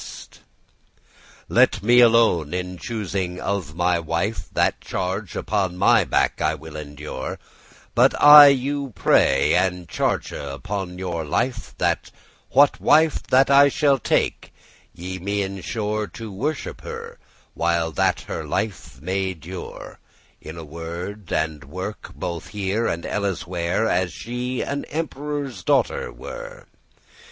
*commend to him "Let me alone in choosing of my wife; That charge upon my back I will endure: But I you pray, and charge upon your life, That what wife that I take, ye me assure To worship* her, while that her life may dure, *honour In word and work both here and elleswhere, As she an emperore's daughter were.